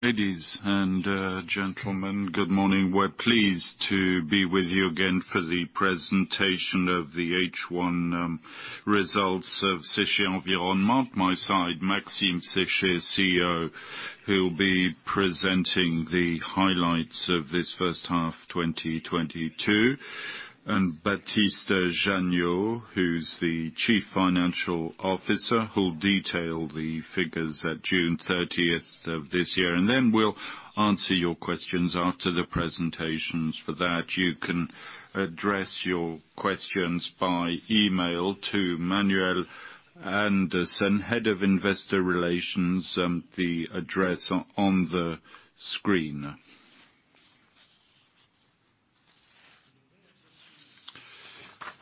Ladies and gentlemen, good morning. We're pleased to be with you again for the presentation of the H1 results of Séché Environnement. Beside me, Maxime Séché, CEO, who'll be presenting the highlights of this first half, 2022. Baptiste Janiaud, who's the Chief Financial Officer, who'll detail the figures at June 30th of this year. We'll answer your questions after the presentations. For that, you can address your questions by email to Manuel Andersen, Head of Investor Relations, the address on the screen.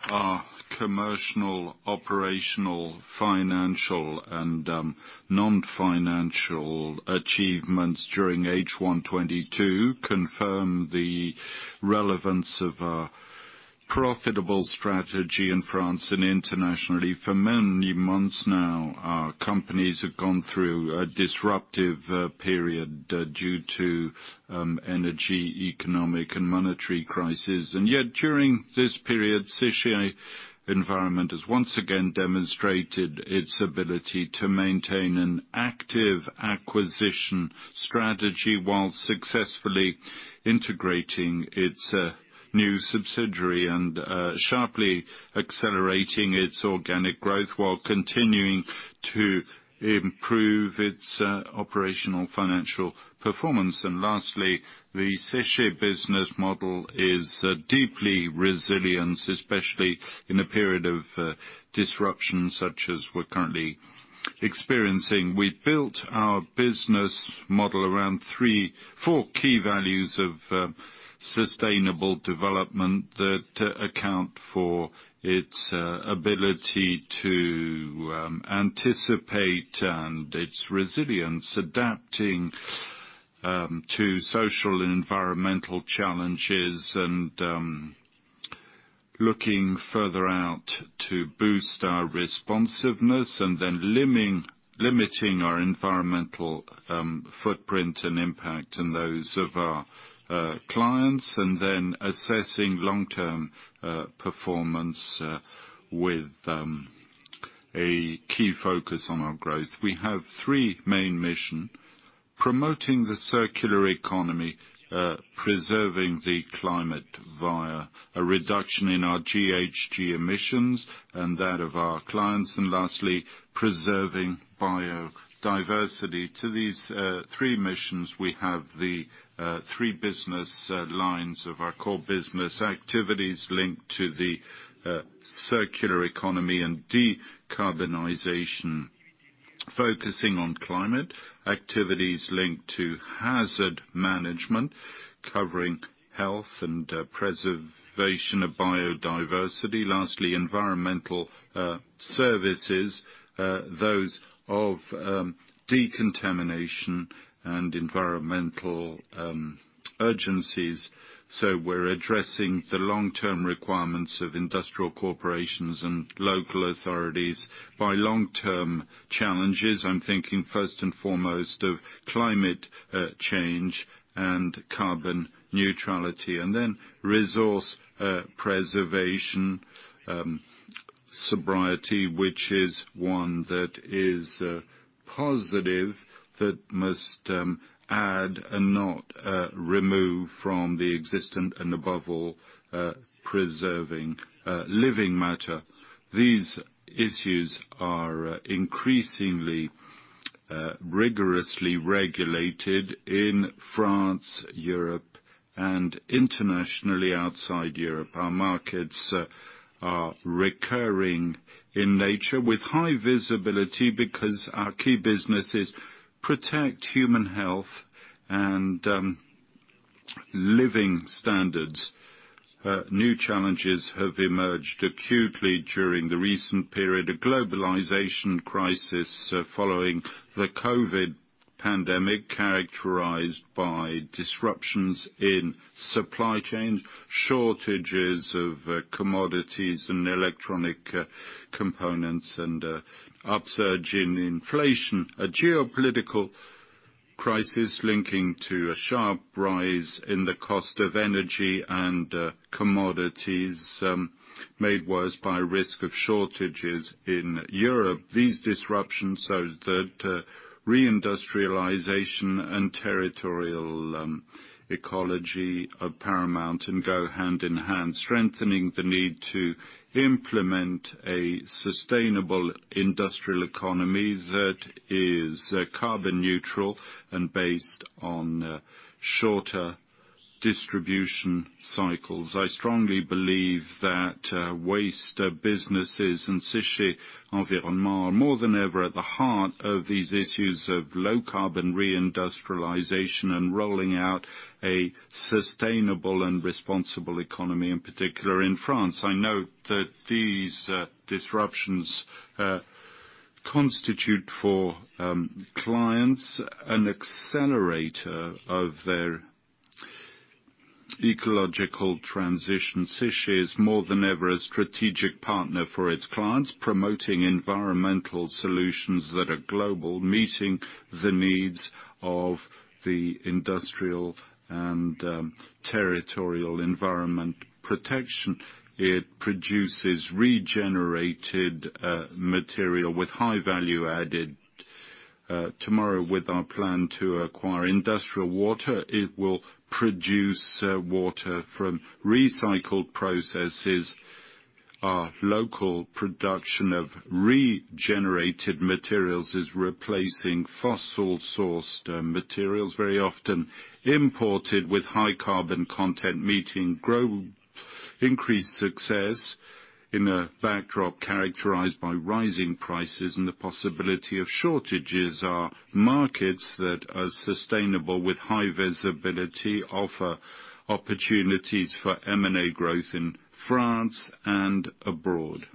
Our commercial, operational, financial, and non-financial achievements during H1 2022 confirm the relevance of our profitable strategy in France and internationally. For many months now, our companies have gone through a disruptive period due to energy, economic, and monetary crisis. Yet during this period, Séché Environnement has once again demonstrated its ability to maintain an active acquisition strategy while successfully integrating its new subsidiary and sharply accelerating its organic growth while continuing to improve its operational financial performance. Lastly, the Séché business model is deeply resilient, especially in a period of disruption such as we're currently experiencing. We built our business model around four key values of sustainable development that account for its ability to anticipate and its resilience, adapting to social and environmental challenges and looking further out to boost our responsiveness, and then limiting our environmental footprint and impact and those of our clients, and then assessing long-term performance with a key focus on our growth. We have three main missions: promoting the circular economy, preserving the climate via a reduction in our GHG emissions and that of our clients, and lastly, preserving biodiversity. To these three missions, we have the three business lines of our core business activities linked to the circular economy and decarbonization, focusing on climate, activities linked to hazard management, covering health and preservation of biodiversity. Lastly, environmental services, those of decontamination and environmental emergencies. We're addressing the long-term requirements of industrial corporations and local authorities. By long-term challenges, I'm thinking first and foremost of climate change and carbon neutrality. Then resource preservation, sobriety, which is one that is positive, that must add and not remove from the existing and above all, preserving living matter. These issues are increasingly rigorously regulated in France, Europe, and internationally outside Europe. Our markets are recurring in nature with high visibility because our key business is protect human health and living standards. New challenges have emerged acutely during the recent period of globalization crisis following the COVID pandemic, characterized by disruptions in supply chains, shortages of commodities and electronic components and upsurge in inflation. A geopolitical crisis linking to a sharp rise in the cost of energy and commodities made worse by risk of shortages in Europe. These disruptions are that reindustrialization and territorial ecology are paramount and go hand in hand, strengthening the need to implement a sustainable industrial economy that is carbon neutral and based on shorter distribution cycles. I strongly believe that waste businesses and Séché Environnement are more than ever at the heart of these issues of low carbon reindustrialization and rolling out a sustainable and responsible economy, in particular in France. I know that these disruptions constitute for clients an accelerator of their ecological transition. Séché is more than ever a strategic partner for its clients, promoting environmental solutions that are global, meeting the needs of the industrial and territorial environment protection. It produces regenerated material with high value added. Tomorrow with our plan to acquire industrial water, it will produce water from recycled processes. Our local production of regenerated materials is replacing fossil sourced materials very often imported with high carbon content, meeting increased success in a backdrop characterized by rising prices and the possibility of shortages. Our markets that are sustainable with high visibility offer opportunities for M&A growth in France and abroad.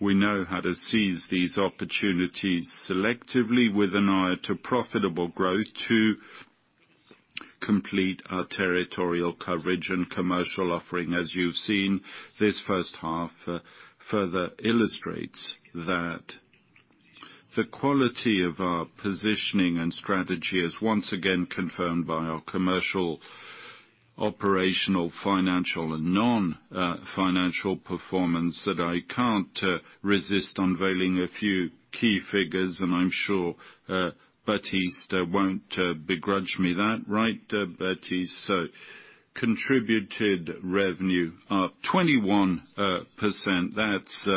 We know how to seize these opportunities selectively with an eye to profitable growth to complete our territorial coverage and commercial offering. As you've seen, this first half further illustrates that the quality of our positioning and strategy is once again confirmed by our commercial, operational, financial, and non financial performance that I can't resist unveiling a few key figures, and I'm sure Baptiste won't begrudge me that. Right, Baptiste? Contributed revenue up 21%. That's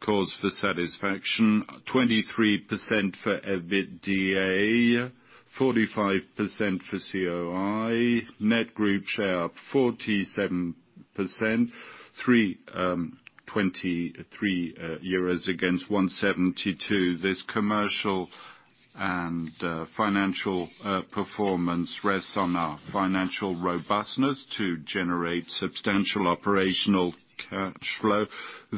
cause for satisfaction. 23% for EBITDA. 45% for COI. Net group share up 47%. EUR 23 against 172. This commercial and financial performance rests on our financial robustness to generate substantial operational cash flow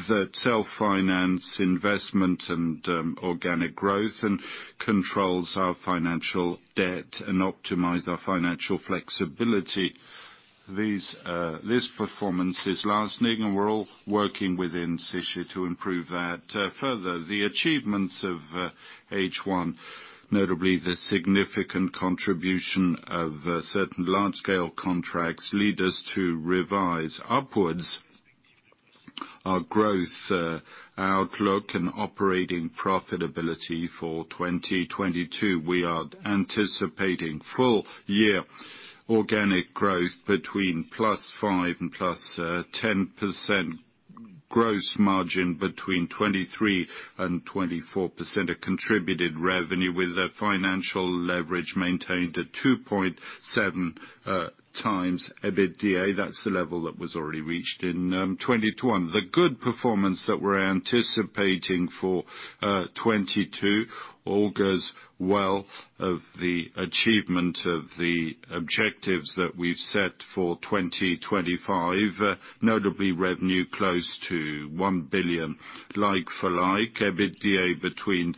that self-finance investment and organic growth and controls our financial debt and optimize our financial flexibility. This performance is lasting, and we're all working within Séché to improve that. Further, the achievements of H1, notably the significant contribution of certain large scale contracts, lead us to revise upwards our growth outlook and operating profitability for 2022. We are anticipating full year organic growth between +5% and +10%, gross margin between 23% and 24% of contributed revenue with a financial leverage maintained at 2.7x EBITDA. That's the level that was already reached in 2022. The good performance that we're anticipating for 2022 all goes well of the achievement of the objectives that we've set for 2025, notably revenue close to 1 billion, like for like. EBITDA between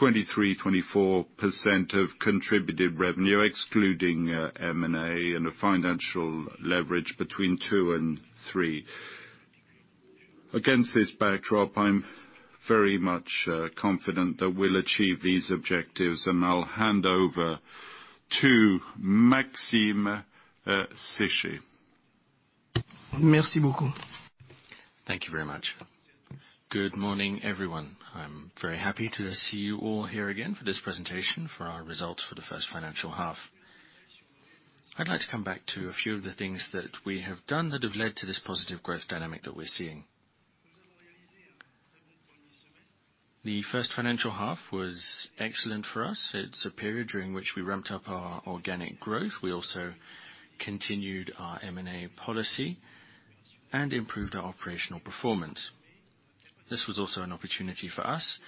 23%-24% of contributed revenue, excluding M&A and a financial leverage between two and three. Against this backdrop, I'm very much confident that we'll achieve these objectives, and I'll hand over to Maxime Séché. Thank you very much. Good morning, everyone. I'm very happy to see you all here again for this presentation for our results for the first financial half. I'd like to come back to a few of the things that we have done that have led to this positive growth dynamic that we're seeing. The first financial half was excellent for us. It's a period during which we ramped up our organic growth. We also continued our M&A policy and improved our operational performance. This was also an opportunity for us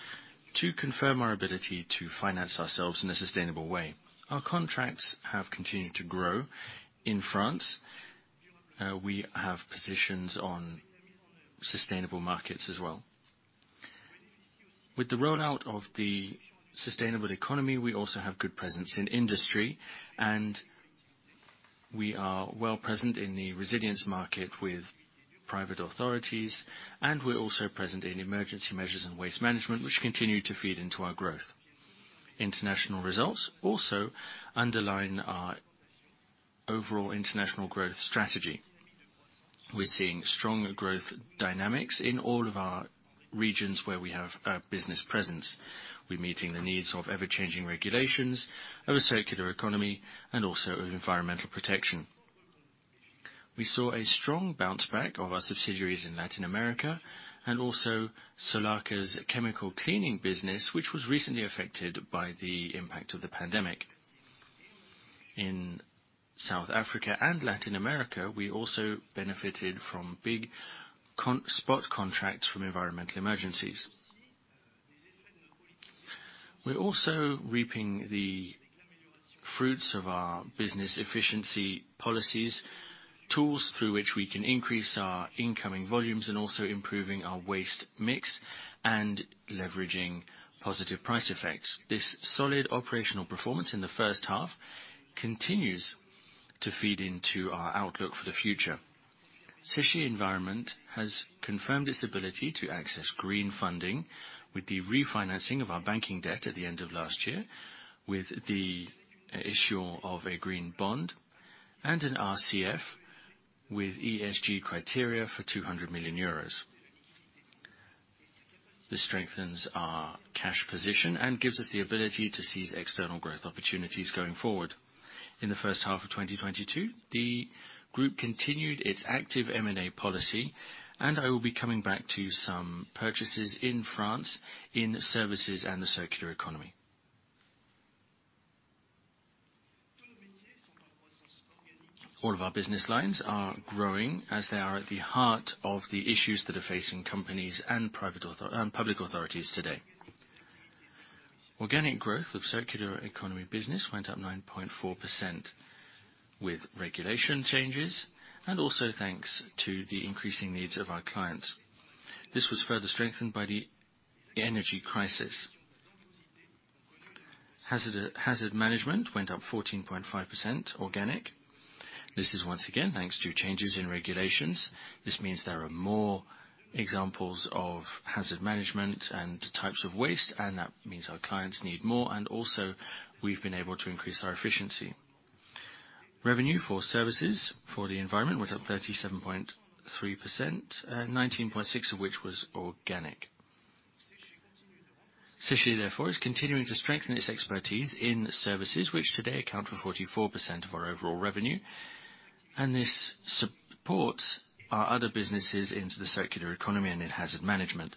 to confirm our ability to finance ourselves in a sustainable way. Our contracts have continued to grow in France. We have positions on sustainable markets as well. With the rollout of the sustainable economy, we also have good presence in industry, and we are well present in the resilience market with private authorities, and we're also present in emergency measures and waste management, which continue to feed into our growth. International results also underline our overall international growth strategy. We're seeing strong growth dynamics in all of our regions where we have a business presence. We're meeting the needs of ever-changing regulations of a circular economy and also of environmental protection. We saw a strong bounce back of our subsidiaries in Latin America and also Solarca's chemical cleaning business, which was recently affected by the impact of the pandemic. In South Africa and Latin America, we also benefited from big spot contracts from environmental emergencies. We're also reaping the fruits of our business efficiency policies, tools through which we can increase our incoming volumes and also improving our waste mix and leveraging positive price effects. This solid operational performance in the first half continues to feed into our outlook for the future. Séché Environnement has confirmed its ability to access green funding with the refinancing of our banking debt at the end of last year with the issue of a green bond and an RCF with ESG criteria for 200 million euros. This strengthens our cash position and gives us the ability to seize external growth opportunities going forward. In the first half of 2022, the group continued its active M&A policy. I will be coming back to some purchases in France in services and the circular economy. All of our business lines are growing as they are at the heart of the issues that are facing companies and private and public authorities today. Organic growth of circular economy business went up 9.4% with regulation changes and also thanks to the increasing needs of our clients. This was further strengthened by the energy crisis. Hazard management went up 14.5% organic. This is once again, thanks to changes in regulations. This means there are more examples of hazard management and types of waste, and that means our clients need more, and also we've been able to increase our efficiency. Revenue for services for the environment went up 37.3%, 19.6 of which was organic. Séché, therefore, is continuing to strengthen its expertise in services which today account for 44% of our overall revenue, and this supports our other businesses into the circular economy and in hazard management.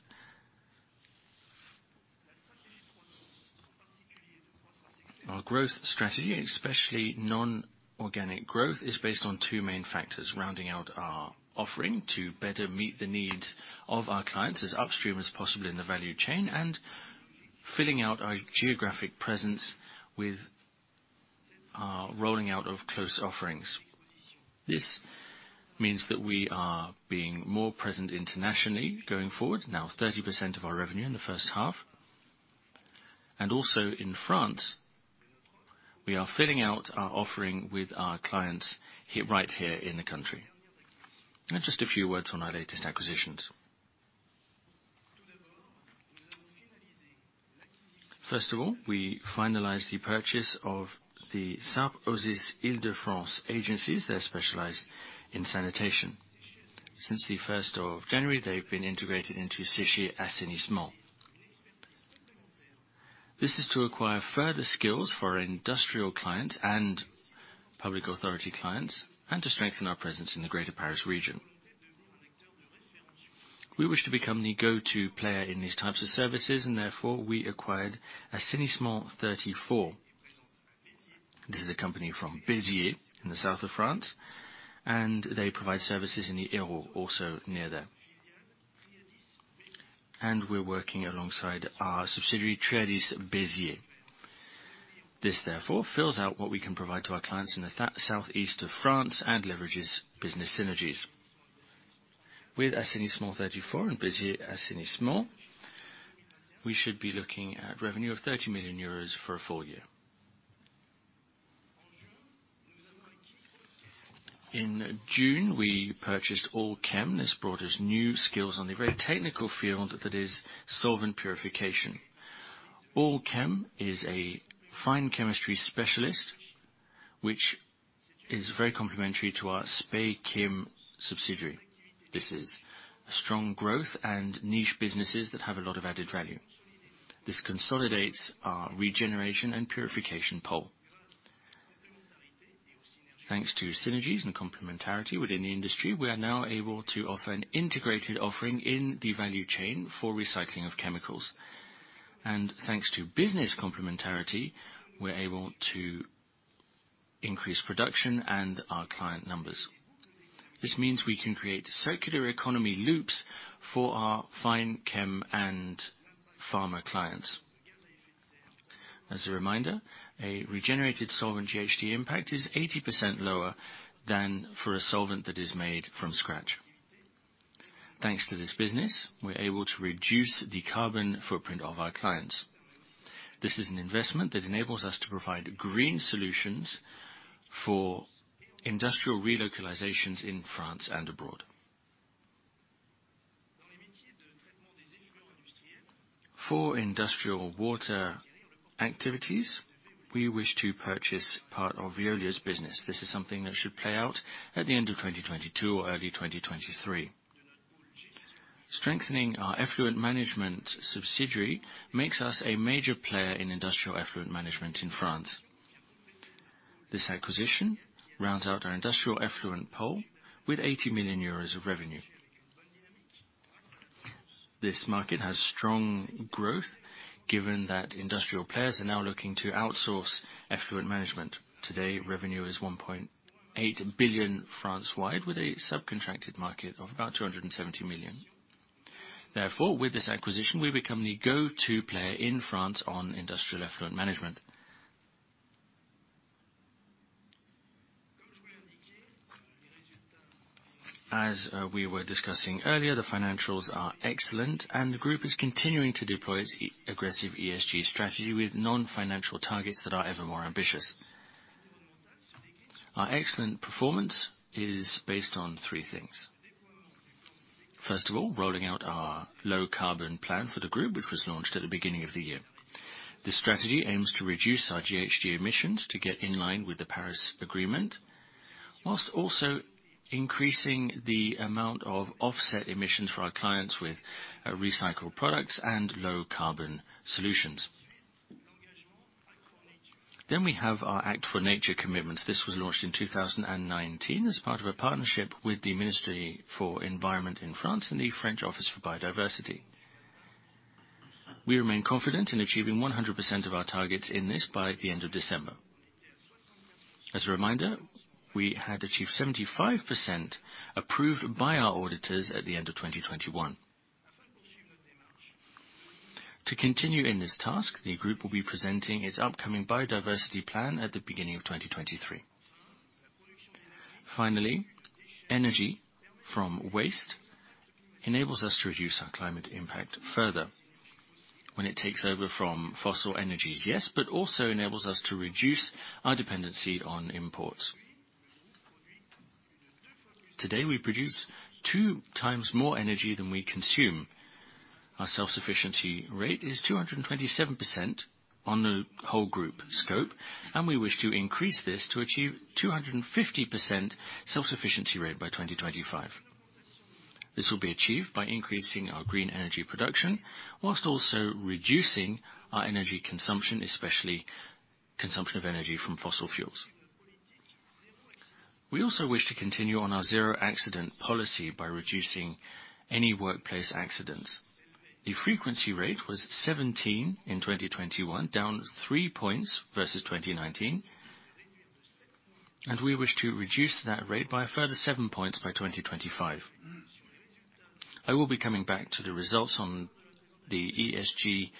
Our growth strategy, especially non-organic growth, is based on two main factors. Rounding out our offering to better meet the needs of our clients as upstream as possible in the value chain and filling out our geographic presence with our rolling out of close offerings. This means that we are being more present internationally going forward, now 30% of our revenue in the first half. Also in France, we are filling out our offering with our clients here, right here in the country. Now just a few words on our latest acquisitions. First of all, we finalized the purchase of the Sud Oise Île-de-France agencies. They're specialized in sanitation. Since the first of January, they've been integrated into Séché Assainissement. This is to acquire further skills for our industrial clients and public authority clients and to strengthen our presence in the Greater Paris region. We wish to become the go-to player in these types of services, and therefore we acquired Assainissement 34. This is a company from Béziers in the South of France, and they provide services in the Hérault also near there. We're working alongside our subsidiary Triadis Services Béziers. This, therefore, fills out what we can provide to our clients in the Southeast of France and leverages business synergies. With Assainissement 34 and Béziers Assainissement, we should be looking at revenue of 30 million euros for a full year. In June, we purchased All'Chem. This brought us new skills on the very technical field that is solvent purification. All'Chem is a fine chemistry specialist, which is very complementary to our Speichim subsidiary. This is a strong growth and niche businesses that have a lot of added value. This consolidates our regeneration and purification pole. Thanks to synergies and complementarity within the industry, we are now able to offer an integrated offering in the value chain for recycling of chemicals. Thanks to business complementarity, we're able to increase production and our client numbers. This means we can create circular economy loops for our fine chem and pharma clients. As a reminder, a regenerated solvent GHG impact is 80% lower than for a solvent that is made from scratch. Thanks to this business, we're able to reduce the carbon footprint of our clients. This is an investment that enables us to provide green solutions for industrial relocalizations in France and abroad. For industrial water activities, we wish to purchase part of Veolia's business. This is something that should play out at the end of 2022 or early 2023. Strengthening our effluent management subsidiary makes us a major player in industrial effluent management in France. This acquisition rounds out our industrial effluent pole with 80 million euros of revenue. This market has strong growth given that industrial players are now looking to outsource effluent management. Today, revenue is EUR 1.8 billion France-wide with a subcontracted market of about 270 million. Therefore, with this acquisition, we become the go-to player in France on industrial effluent management. As we were discussing earlier, the financials are excellent, and the group is continuing to deploy its ever-aggressive ESG strategy with non-financial targets that are ever more ambitious. Our excellent performance is based on three things. First of all, rolling out our low carbon plan for the group, which was launched at the beginning of the year. This strategy aims to reduce our GHG emissions to get in line with the Paris Agreement, while also increasing the amount of offset emissions for our clients with recycled products and low carbon solutions. We have our Act for Nature commitment. This was launched in 2019 as part of a partnership with the Ministry for Environment in France and the French Office for Biodiversity. We remain confident in achieving 100% of our targets in this by the end of December. As a reminder, we had achieved 75% approved by our auditors at the end of 2021. To continue in this task, the group will be presenting its upcoming biodiversity plan at the beginning of 2023. Finally, energy from waste enables us to reduce our climate impact further when it takes over from fossil energies, yes, but also enables us to reduce our dependency on imports. Today, we produce two times more energy than we consume. Our self-sufficiency rate is 227% on the whole group scope, and we wish to increase this to achieve 250% self-sufficiency rate by 2025. This will be achieved by increasing our green energy production while also reducing our energy consumption, especially consumption of energy from fossil fuels. We also wish to continue on our zero accident policy by reducing any workplace accidents. The frequency rate was 17 in 2021, down three points versus 2019, and we wish to reduce that rate by a further seven points by 2025. I will be coming back to the results on the ESG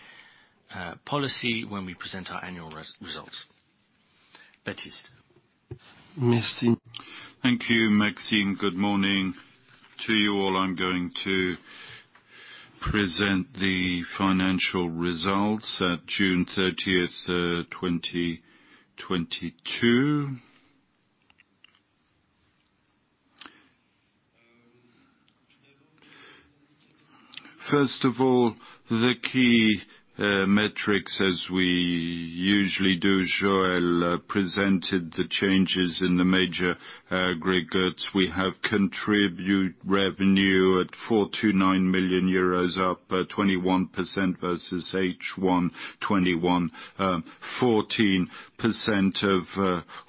policy when we present our annual results. Baptiste. Thank you, Maxime. Good morning to you all. I'm going to present the financial results at June 30th, 2022. First of all, the key metrics, as we usually do, Joël presented the changes in the major aggregates. We have consolidated revenue at 409 million euros, up 21% versus H1 2021. 14%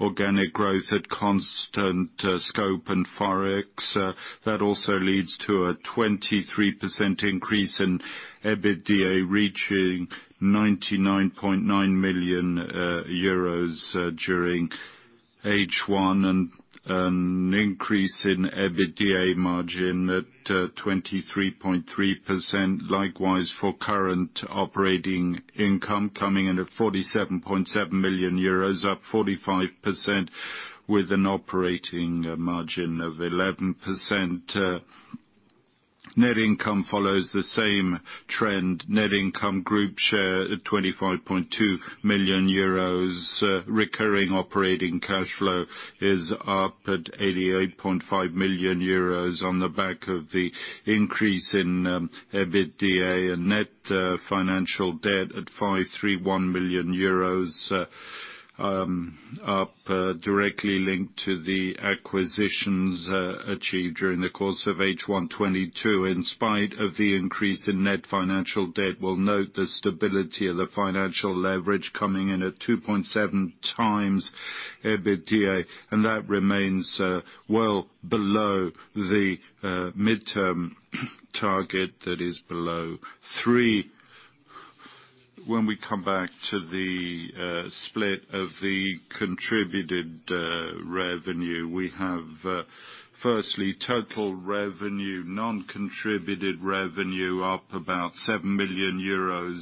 organic growth at constant scope and Forex. That also leads to a 23% increase in EBITDA reaching 99.9 million euros during H1, and an increase in EBITDA margin at 23.3%. Likewise, current operating income coming in at 47.7 million euros, up 45% with an operating margin of 11%. Net income follows the same trend. Net income group share at 25.2 million euros. Recurring operating cash flow is up at 88.5 million euros on the back of the increase in EBITDA and net financial debt at 531 million euros, up directly linked to the acquisitions achieved during the course of H1 2022. In spite of the increase in net financial debt, we'll note the stability of the financial leverage coming in at 2.7x EBITDA, and that remains well below the midterm target that is below three. When we come back to the split of the contributed revenue, we have firstly, total revenue, non-contributed revenue up about 7 million euros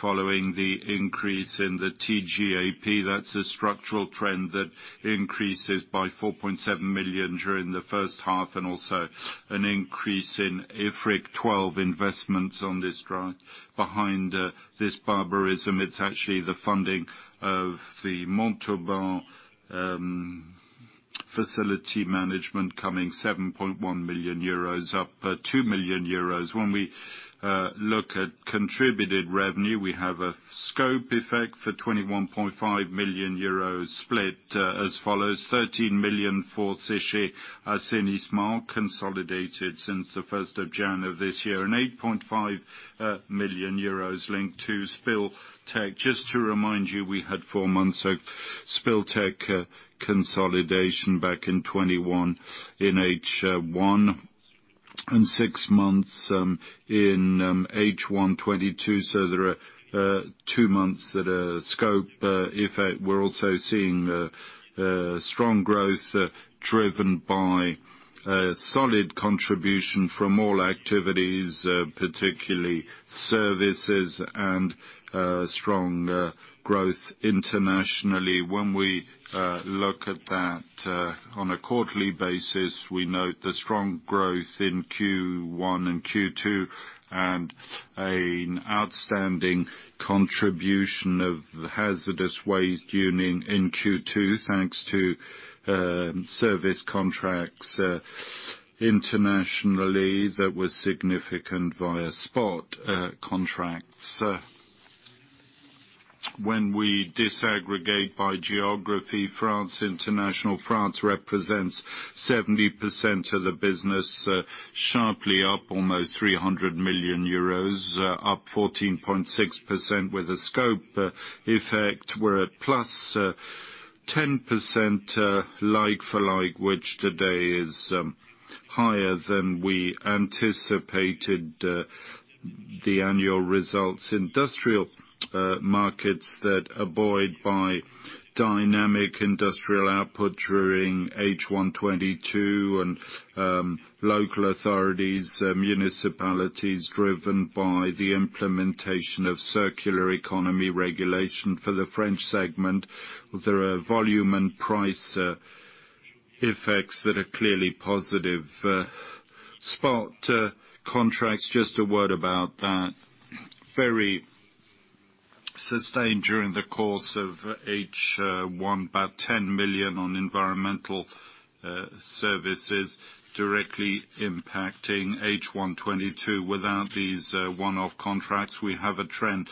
following the increase in the TGAP. That's a structural trend that increases by 4.7 million during the first half, and also an increase in IFRIC 12 investments on this drive. Behind this variance, it's actually the funding of the Montauban facility management coming 7.1 million euros, up 2 million euros. When we look at contributed revenue, we have a scope effect for 21.5 million euros split as follows, 13 million for Séché Assainissement, consolidated since the first of January this year, and 8.5 million euros linked to Spill Tech. Just to remind you, we had four months of Spill Tech consolidation back in 2021 in H1 2021. Six months in H1 2022, so there are two months that scope effect. We're also seeing strong growth driven by solid contribution from all activities, particularly services and strong growth internationally. When we look at that on a quarterly basis, we note the strong growth in Q1 and Q2, and an outstanding contribution of hazardous waste unit in Q2, thanks to service contracts internationally that were significant via spot contracts. When we disaggregate by geography, France international, France represents 70% of the business, sharply up almost 300 million euros, up 14.6% with a scope effect. We're at +10%, like for like, which today is higher than we anticipated the annual results. Industrial markets that are buoyed by dynamic industrial output during H1 2022 and local authorities and municipalities driven by the implementation of circular economy regulation for the French segment. There are volume and price effects that are clearly positive. Spot contracts, just a word about that. Very sustained during the course of H1, 10 million on environmental services directly impacting H1 2022. Without these one-off contracts, we have a trend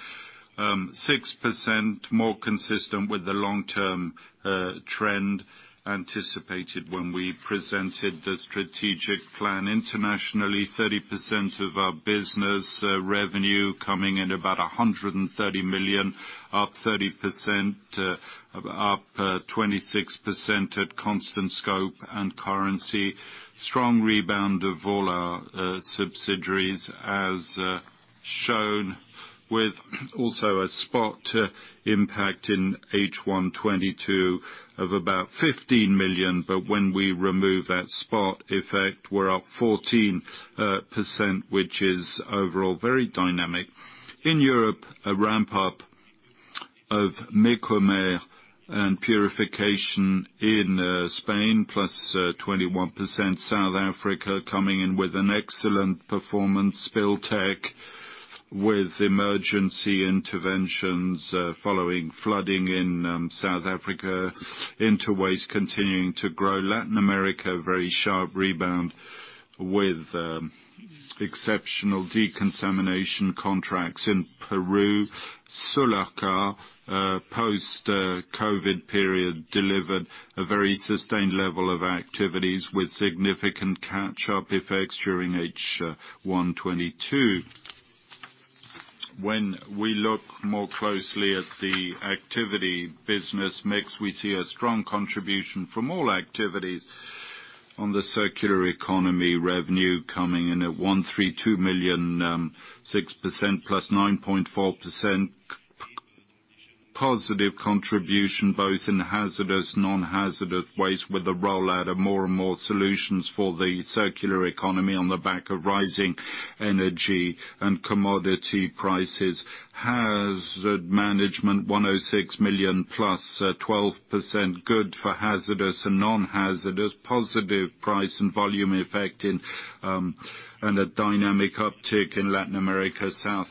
6% more consistent with the long-term trend anticipated when we presented the strategic plan internationally. 30% of our business revenue coming in about 130 million, up 30%, up 26% at constant scope and currency. Strong rebound of all our subsidiaries as shown with also a spot impact in H1 2022 of about 15 million. When we remove that spot effect, we're up 14%, which is overall very dynamic. In Europe, a ramp-up of Mecomer and purification in Spain +21%. South Africa coming in with an excellent performance. Spill Tech with emergency interventions following flooding in South Africa. Interwaste continuing to grow. Latin America, very sharp rebound with exceptional decontamination contracts in Peru. Solarca post-COVID period delivered a very sustained level of activities with significant catch-up effects during H1 2022. When we look more closely at the activity business mix, we see a strong contribution from all activities on the circular economy revenue coming in at 132 million, 6% +9.4%. Positive contribution both in hazardous, non-hazardous waste with the rollout of more and more solutions for the circular economy on the back of rising energy and commodity prices. Hazard management, 106 million +12% good for hazardous and non-hazardous. Positive price and volume effect in and a dynamic uptick in Latin America, South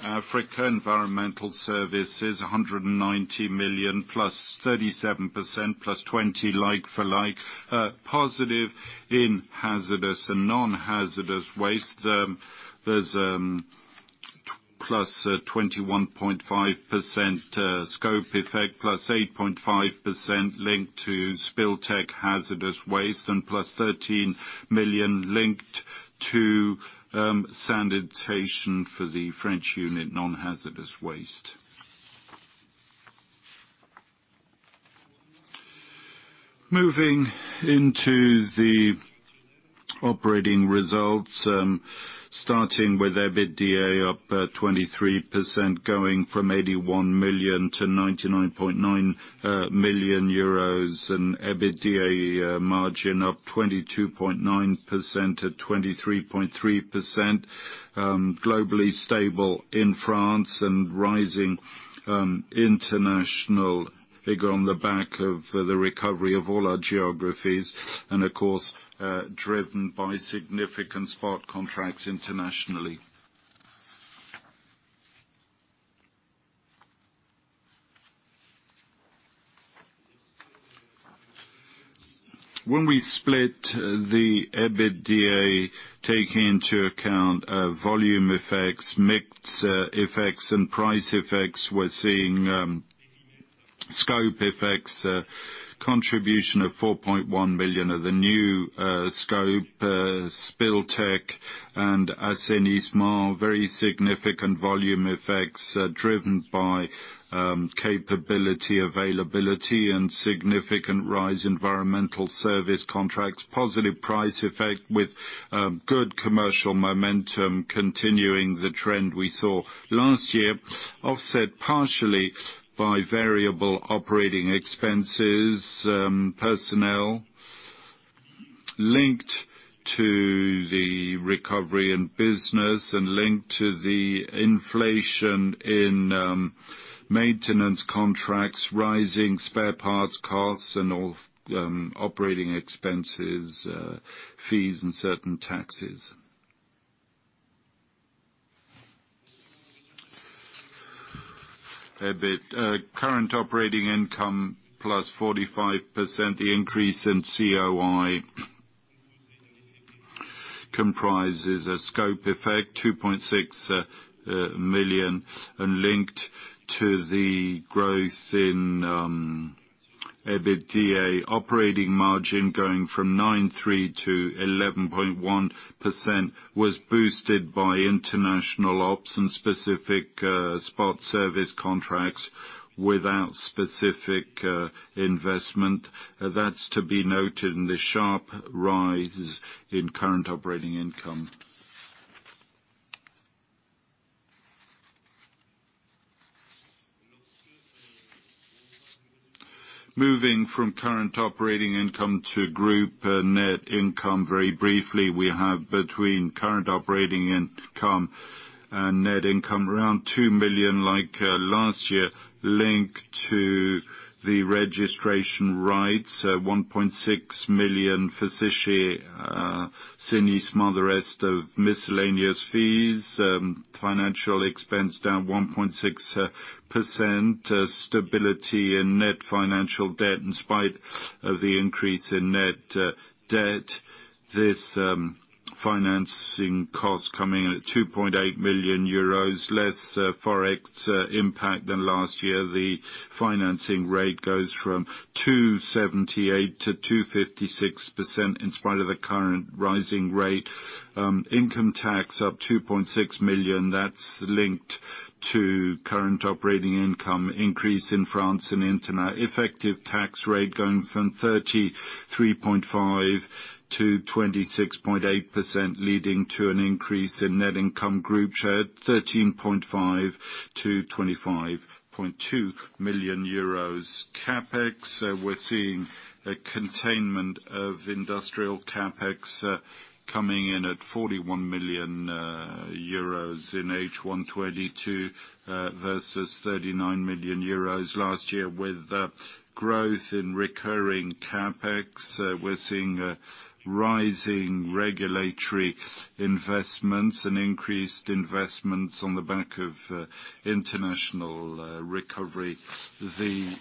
Africa. Environmental services, 190 million +37%, +20% like-for-like. Positive in hazardous and non-hazardous waste. There's +21.5%, scope effect +8.5% linked to Spill Tech hazardous waste, and +13 million linked to sanitation for the French unit, non-hazardous waste. Moving into the operating results, starting with EBITDA up 23%, going from 81 million-99.9 million euros. EBITDA margin up to 23.3% from 22.9%. Globally stable in France and rising international figure on the back of the recovery of all our geographies and of course driven by significant spot contracts internationally. When we split the EBITDA, take into account volume effects, mix effects, and price effects, we're seeing scope effects contribution of 4.1 million of the new scope, Spill Tech and Assainissement, very significant volume effects driven by capacity availability and significant rise in environmental service contracts, positive price effect with good commercial momentum continuing the trend we saw last year, offset partially by variable operating expenses, personnel linked to the recovery in business and linked to the inflation in maintenance contracts, rising spare parts costs and all operating expenses, fees and certain taxes. EBIT, current operating income plus 45% increase in COI comprises a scope effect, 2.6 million and linked to the growth in EBITDA. Operating margin going from 9.3%-11.1% was boosted by international ops and specific spot service contracts without specific investment. That's to be noted in the sharp rise in current operating income. Moving from current operating income to group net income very briefly, we have between current operating income and net income around 2 million like last year linked to the registration rights, EUR 1.6 million for Séché Assainissement, the rest of miscellaneous fees, financial expense down 1.6%, stability in net financial debt in spite of the increase in net debt. This financing cost coming in at 2.8 million euros, less Forex impact than last year. The financing rate goes from 2.78%-2.56% in spite of the current rising rate. Income tax up 2.6 million. That's linked to current operating income increase in France and effective tax rate going from 33.5%-26.8%, leading to an increase in net income group share at 13.5 million-25.2 million euros. CapEx, we're seeing a containment of industrial CapEx, coming in at 41 million euros in H1 2022, versus 39 million euros last year. With growth in recurring CapEx, we're seeing a rising regulatory investments and increased investments on the back of international recovery. The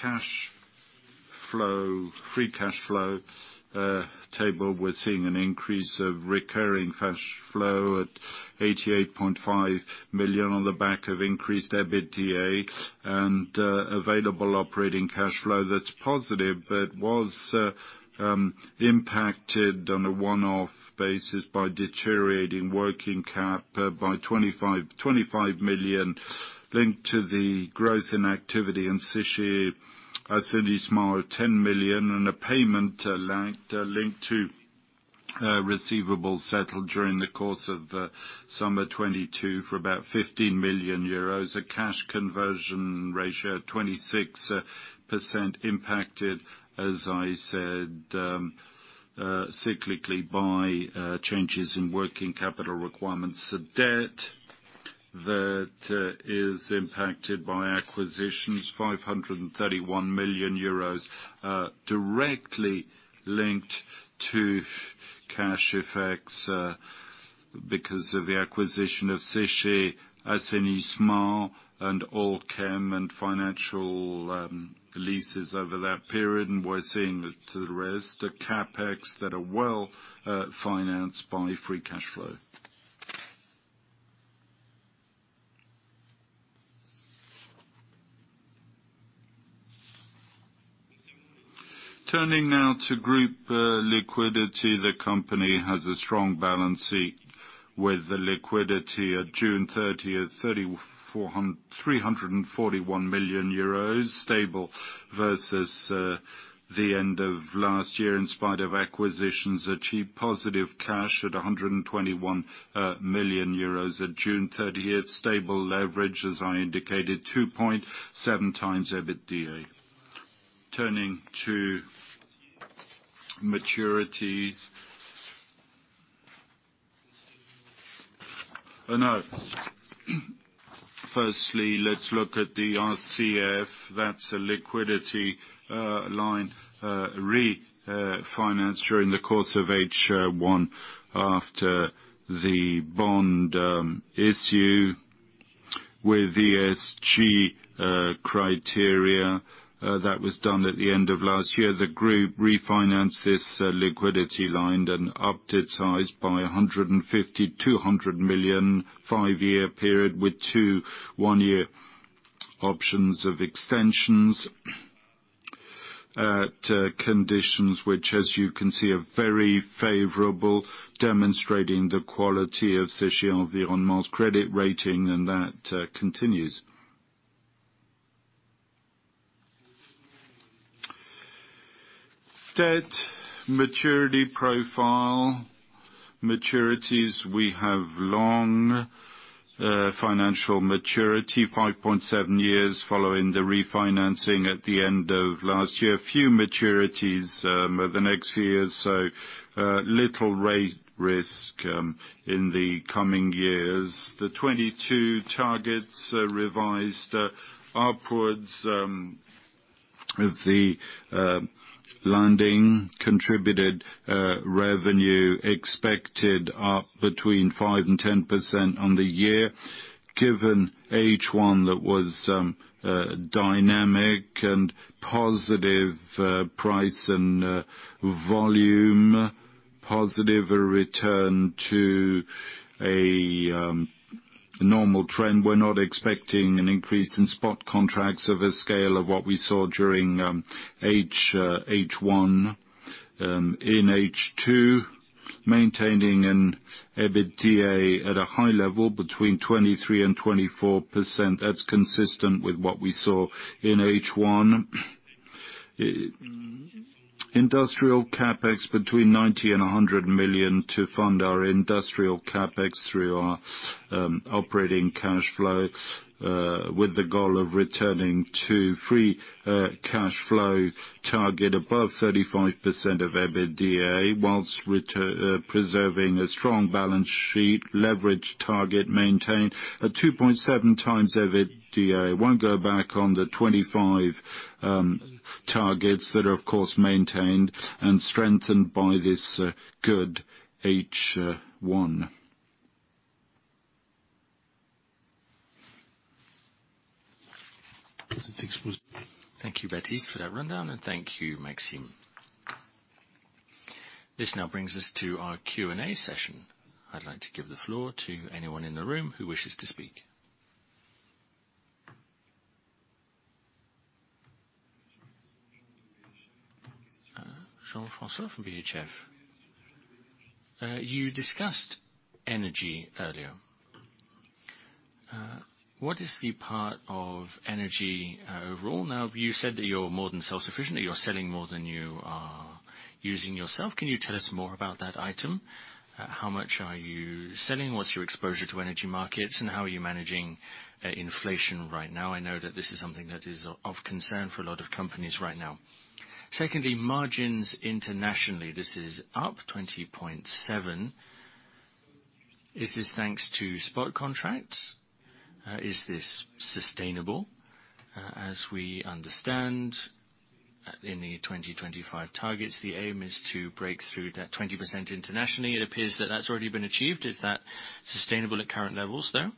cash flow, free cash flow table, we're seeing an increase of recurring cash flow at 88.5 million on the back of increased EBITDA and available operating cash flow that's positive, but was impacted on a one-off basis by deteriorating working capital by 25 million linked to the growth in activity in Séché Assainissement 10 million and a payment linked to receivables settled during the course of summer 2022 for about 15 million euros. A cash conversion ratio of 26% impacted, as I said, cyclically by changes in working capital requirements. Debt that is impacted by acquisitions, 531 million euros, directly linked to cash effects because of the acquisition of Séché Assainissement and All'Chem and financial leases over that period. We're seeing the rest of CapEx that are well financed by free cash flow. Turning now to group liquidity, the company has a strong balance sheet with the liquidity at June 30th, 341 million euros stable versus the end of last year. In spite of acquisitions, achieved positive cash at 121 million euros at June 30th. Stable leverage, as I indicated, 2.7x EBITDA. Turning to maturities. Firstly, let's look at the RCF. That's a liquidity line refinanced during the course of H1 after the bond issue with ESG criteria that was done at the end of last year. The group refinanced this liquidity line and upped its size by 150 million-200 million five-year period with two one-year options of extensions. Conditions which as you can see are very favorable, demonstrating the quality of Séché Environnement's credit rating, and that continues. Debt maturity profile. Maturities, we have long financial maturity, 5.7 years following the refinancing at the end of last year. Few maturities over the next few years, so little rate risk in the coming years. The 2022 targets are revised upwards. The lending contributed revenue expected up between 5%-10% on the year. Given H1 that was dynamic and positive. Price and volume positive return to a normal trend. We're not expecting an increase in spot contracts of a scale of what we saw during H1 in H2, maintaining an EBITDA at a high level between 23%-24%. That's consistent with what we saw in H1. Industrial CapEx between 90 million and 100 million to fund our industrial CapEx through our operating cash flow with the goal of returning to free cash flow target above 35% of EBITDA, whilst preserving a strong balance sheet leverage target maintained at 2.7x EBITDA. Won't go back on the 25 targets that are, of course, maintained and strengthened by this good H1. Thank you, Baptiste, for that rundown, and thank you, Maxime. This now brings us to our Q&A session. I'd like to give the floor to anyone in the room who wishes to speak. Jean-François from BHF. You discussed energy earlier. What is the part of energy, overall? Now, you said that you're more than self-sufficient, that you're selling more than you are using yourself. Can you tell us more about that item? How much are you selling? What's your exposure to energy markets, and how are you managing inflation right now? I know that this is something that is of concern for a lot of companies right now. Secondly, margins internationally. This is up 20.7%. Is this thanks to spot contracts? Is this sustainable? As we understand, in the 2025 targets, the aim is to break through that 20% internationally. It appears that that's already been achieved. Is that sustainable at current levels, though?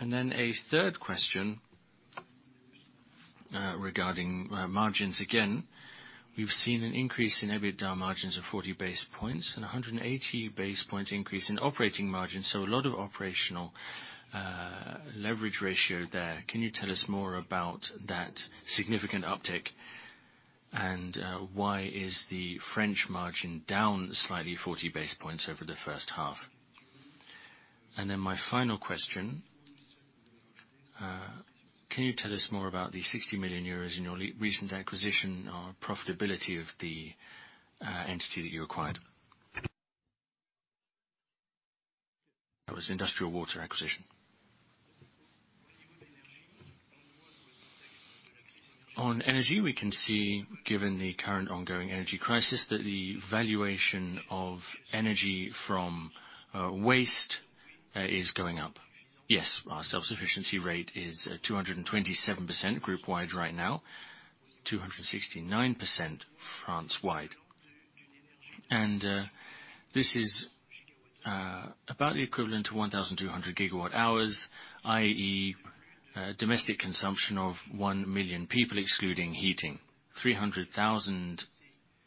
A third question regarding margins again. We've seen an increase in EBITDA margins of 40 basis points and 180 basis points increase in operating margins, so a lot of operational leverage ratio there. Can you tell us more about that significant uptick, and why is the French margin down slightly 40 basis points over the first half? My final question can you tell us more about the 60 million euros in your recent acquisition or profitability of the entity that you acquired? That was industrial water acquisition. On energy, we can see, given the current ongoing energy crisis, that the valuation of energy from waste is going up. Yes, our self-sufficiency rate is at 227% group wide right now, 269% France wide. This is about the equivalent to 1,200 GWh, i.e., domestic consumption of 1 million people excluding heating. 300,000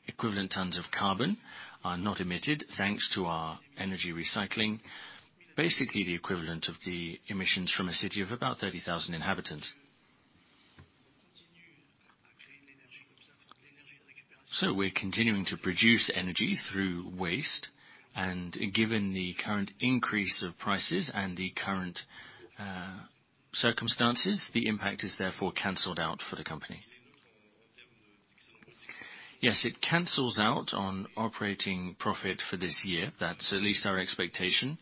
equivalent tons of carbon are not emitted thanks to our energy recycling, basically the equivalent of the emissions from a city of about 30,000 inhabitants. We're continuing to produce energy through waste, and given the current increase of prices and the current circumstances, the impact is therefore canceled out for the company. Yes, it cancels out on operating profit for this year. That's at least our expectation,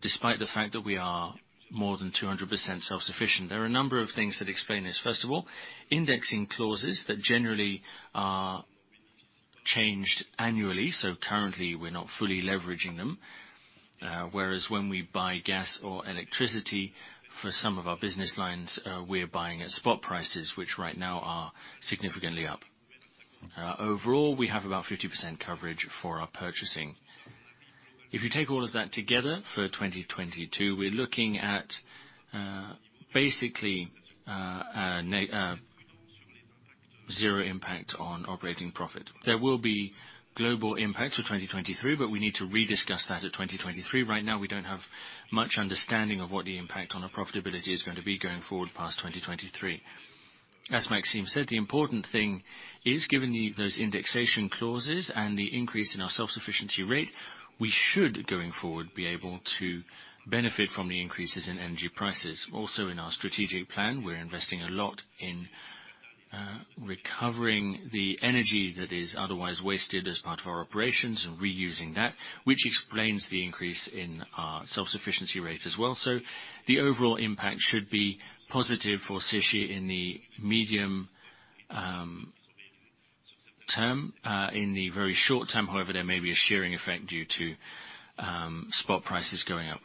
despite the fact that we are more than 200% self-sufficient. There are a number of things that explain this. First of all, indexing clauses that generally are changed annually, so currently we're not fully leveraging them. Whereas when we buy gas or electricity for some of our business lines, we're buying at spot prices, which right now are significantly up. Overall, we have about 50% coverage for our purchasing. If you take all of that together for 2022, we're looking at basically. Zero impact on operating profit. There will be global impact for 2023, but we need to rediscuss that at 2023. Right now, we don't have much understanding of what the impact on our profitability is going to be going forward past 2023. As Maxime said, the important thing is, given the, those indexation clauses and the increase in our self-sufficiency rate, we should, going forward, be able to benefit from the increases in energy prices. Also, in our strategic plan, we're investing a lot in recovering the energy that is otherwise wasted as part of our operations and reusing that, which explains the increase in our self-sufficiency rate as well. The overall impact should be positive for Séché in the medium term. In the very short term, however, there may be a shearing effect due to spot prices going up.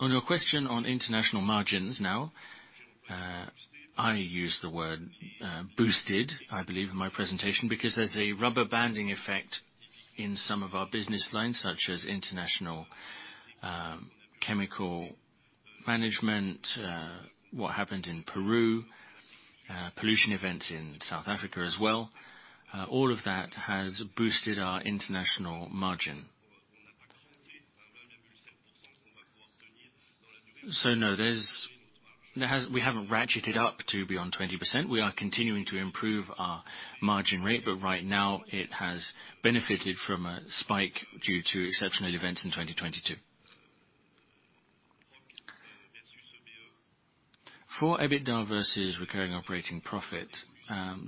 On your question on international margins now, I use the word boosted, I believe in my presentation, because there's a rubber banding effect in some of our business lines, such as international chemical management, what happened in Peru, pollution events in South Africa as well. All of that has boosted our international margin. No, we haven't ratcheted up to beyond 20%. We are continuing to improve our margin rate, but right now it has benefited from a spike due to exceptional events in 2022. For EBITDA versus recurring operating profit,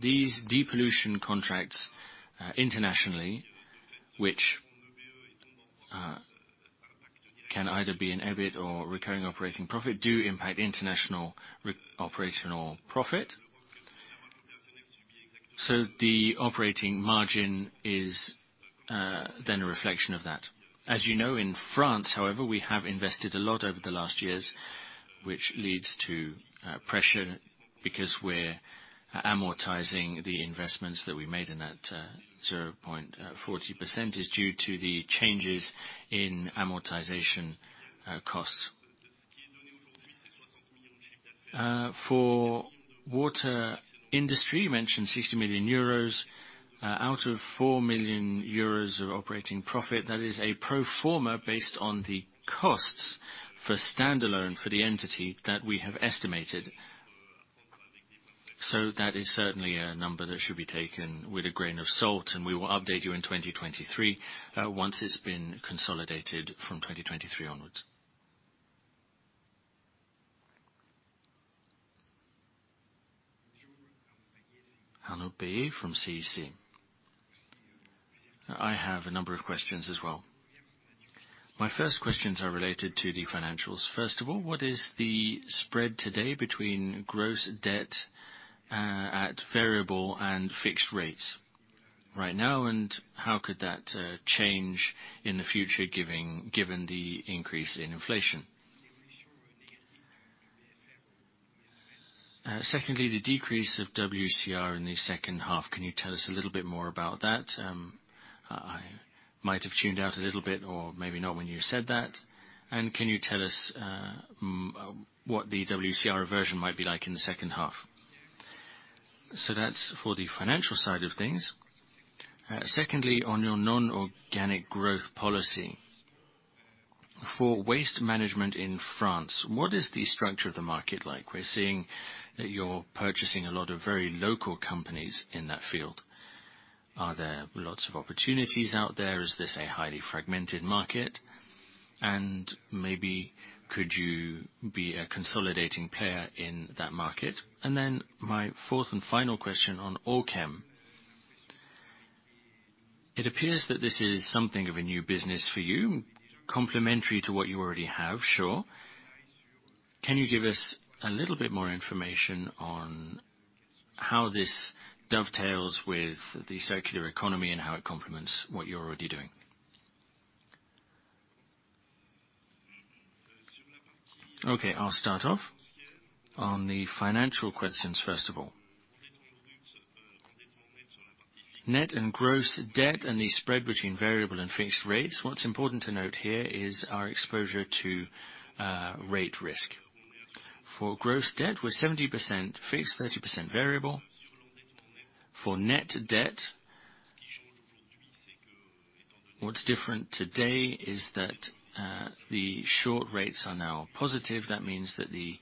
these depollution contracts internationally, which can either be an EBIT or recurring operating profit, do impact international recurring operational profit. The operating margin is then a reflection of that. As you know, in France, however, we have invested a lot over the last years, which leads to pressure because we're amortizing the investments that we made, and that 0.40% is due to the changes in amortization costs. For water industry, you mentioned 60 million euros out of 4 million euros of operating profit. That is a pro forma based on the costs for standalone for the entity that we have estimated. That is certainly a number that should be taken with a grain of salt, and we will update you in 2023 once it's been consolidated from 2023 onwards. Arnaud Peyre from CEC. I have a number of questions as well. My first questions are related to the financials. First of all, what is the spread today between gross debt at variable and fixed rates right now, and how could that change in the future given the increase in inflation? Secondly, the decrease of WCR in the second half. Can you tell us a little bit more about that? I might have tuned out a little bit or maybe not when you said that. Can you tell us what the WCR version might be like in the second half? That's for the financial side of things. Secondly, on your non-organic growth policy. For waste management in France, what is the structure of the market like? We're seeing that you're purchasing a lot of very local companies in that field. Are there lots of opportunities out there? Is this a highly fragmented market? Maybe could you be a consolidating player in that market? Then my fourth and final question on Orchem. It appears that this is something of a new business for you, complementary to what you already have, sure. Can you give us a little bit more information on how this dovetails with the circular economy and how it complements what you're already doing? Okay, I'll start off. On the financial questions, first of all. Net and gross debt and the spread between variable and fixed rates. What's important to note here is our exposure to rate risk. For gross debt, we're 70% fixed, 30% variable. For net debt, what's different today is that the short rates are now positive. That means that the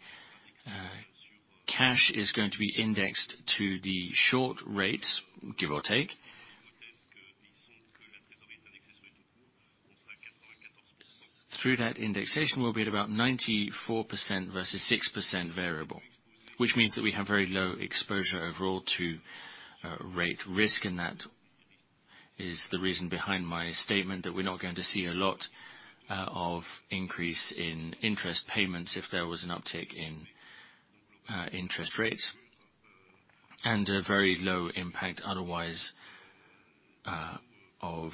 cash is going to be indexed to the short rates, give or take. Through that indexation, we'll be at about 94% versus 6% variable, which means that we have very low exposure overall to rate risk, and that is the reason behind my statement that we're not going to see a lot of increase in interest payments if there was an uptick in interest rates, and a very low impact otherwise of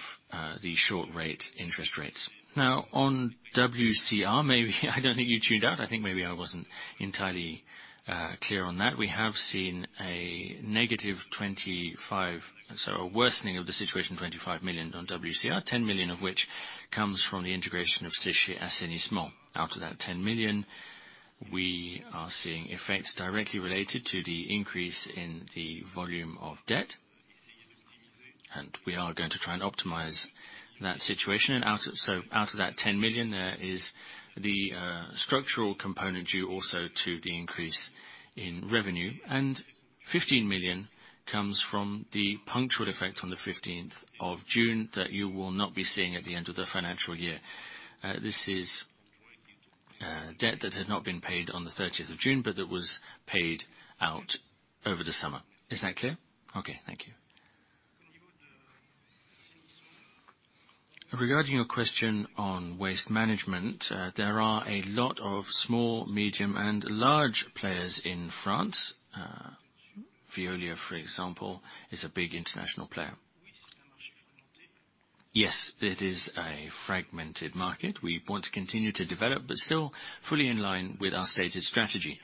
the short rate interest rates. Now, on WCR, maybe I don't think you tuned out. I think maybe I wasn't entirely clear on that. We have seen a negative 25, so a worsening of the situation, 25 million on WCR, 10 million of which comes from the integration of Séché Assainissement. Out of that 10 million, we are seeing effects directly related to the increase in the volume of debt. We are going to try and optimize that situation. Out of Out of that 10 million, there is the structural component due also to the increase in revenue, and 15 million comes from the punctual effect on the 15th of June that you will not be seeing at the end of the financial year. This is debt that had not been paid on the 30th of June, but that was paid out over the summer. Is that clear? Okay. Thank you. Regarding your question on waste management, there are a lot of small, medium, and large players in France. Veolia, for example, is a big international player. Yes, it is a fragmented market. We want to continue to develop, but still fully in line with our stated strategy,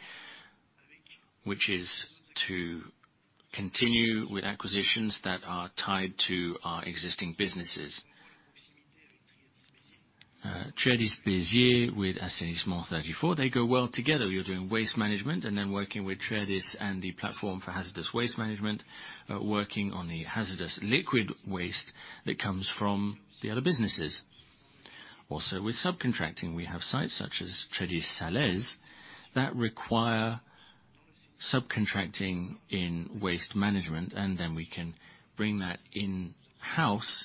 which is to continue with acquisitions that are tied to our existing businesses. Triadis Béziers with Assainissement 34, they go well together. You're doing waste management and then working with Trédi and the platform for hazardous waste management, working on the hazardous liquid waste that comes from the other businesses. Also with subcontracting, we have sites such as Trédi Salaise-sur-Sanne that require subcontracting in waste management, and then we can bring that in-house